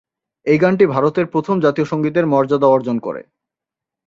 এই গানটি ভারতের প্রথম জাতীয় সঙ্গীতের মর্যাদা অর্জন করে।